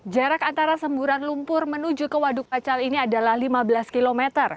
jarak antara semburan lumpur menuju ke waduk pacal ini adalah lima belas km